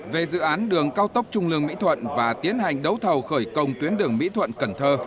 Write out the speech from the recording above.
về dự án đường cao tốc trung lương mỹ thuận và tiến hành đấu thầu khởi công tuyến đường mỹ thuận cần thơ